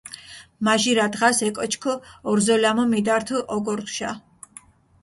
მაჟირა დღას ე კოჩქჷ ორზოლამო მიდართჷ ოგორჷშა.